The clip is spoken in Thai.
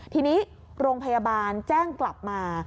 ทีนี้โรงพยาบาลแจ้งกลับมา